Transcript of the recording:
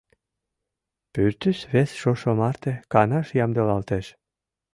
Пӱртӱс вес шошо марте канаш ямдылалтеш.